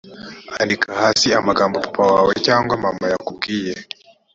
andika hasi aha amagambo papa wawe cyangwa mama yakubwiye